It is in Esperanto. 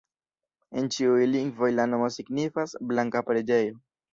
En ĉiuj lingvoj la nomo signifas: blanka preĝejo.